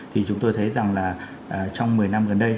thì chúng tôi thấy rằng là trong một mươi năm gần đây